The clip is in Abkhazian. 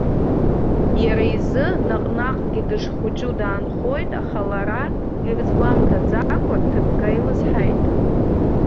Иара изы наҟ-наҟгьы дышхәыҷу даанхоит, аха лара, ирызгәамҭаӡакәа, дҭыгга илызҳаит.